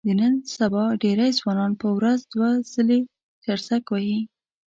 د نن سبا ډېری ځوانان په ورځ دوه ځله چرسک وهي.